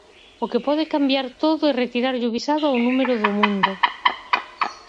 O que pode cambiar todo e retirarlle o visado ao número do mundo.